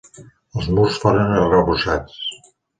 Els murs foren arrebossats.